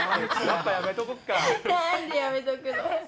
なんで、やめとくの？